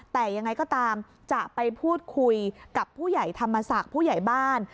แต่ยังไงก็ตามจะไปพูดคุยกับผู้ใหญ่ธรรมศักดิ์ผู้ใหญ่บ้าน